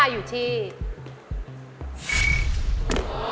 ค่ะดูเลย